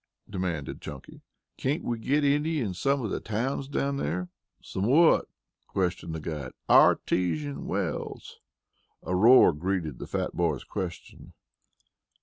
demanded Chunky. "Can't we get any in some of the towns down here?" "Some what?" questioned the guide. "Artesian wells." A roar greeted the fat boy's question.